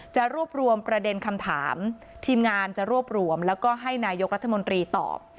จะรวบรวมประเด็นคำถามทีมงานจะรวบรวมแล้วก็ให้นายกรัฐมนตรีตอบ